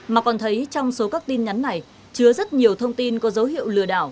mà còn thấy trong số các tin nhắn này chứa rất nhiều thông tin có dấu hiệu lừa đảo